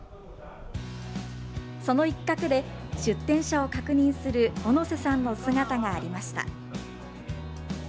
その一角で、出店者を確認する小野瀬さんの姿がありました。